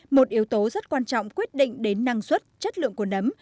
một yếu tố rất quan trọng quyết định đến năng suất chất lượng của nấm